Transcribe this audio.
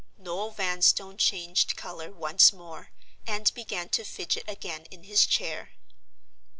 Noel Vanstone changed color once more, and began to fidget again in his chair.